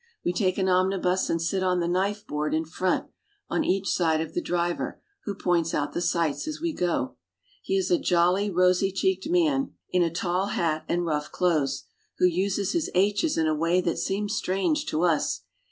We take an omnibus and sit on the knifeboard in front on each side of the driver, who points out the sights as we go. He is a jolly, rosy cheeked, man in a tall hat and rough clothes, who uses his h's in a way that seems strange to us.